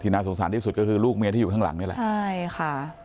น่าสงสารที่สุดก็คือลูกเมียที่อยู่ข้างหลังนี่แหละใช่ค่ะ